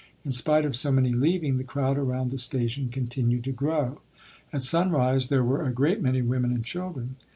In spite of so many leaving, the crowd around the station continued to grow; at sunrise there were a great many women and children.